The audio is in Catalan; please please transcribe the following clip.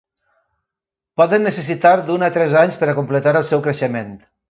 Poden necessitar d'un a tres anys per completar el seu creixement.